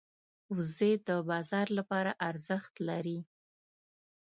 وزې د بازار لپاره ارزښت لري